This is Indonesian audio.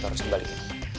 lo harus dibalikin